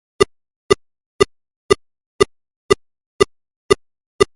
Qui entropessa i no cau avança terreny.